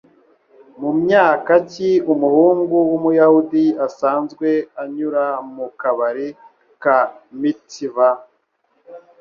Mumyaka ki Umuhungu wumuyahudi asanzwe anyura mu kabari ka Mitzva?